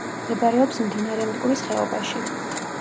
მდებარეობს მდინარე მტკვრის ხეობაში.